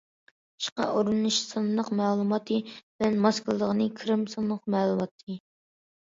ئىشقا ئورۇنلىشىش سانلىق مەلۇماتى بىلەن ماس كېلىدىغىنى كىرىم سانلىق مەلۇماتى.